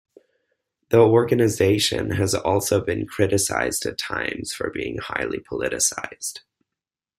The organisation has also been criticised at times for being highly politicised.